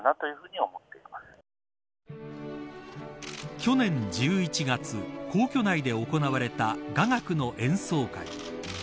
去年１１月皇居内で行われた雅楽の演奏会。